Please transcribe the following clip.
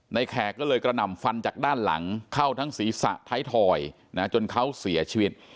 แขกก็เลยกระหน่ำฟันจากด้านหลังเข้าทั้งศีรษะท้ายถอยจนเขาเสียชีวิต